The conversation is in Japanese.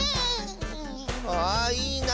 あいいな。